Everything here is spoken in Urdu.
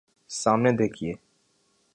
سامنے دیکھئے